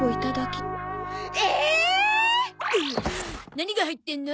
何が入ってるの？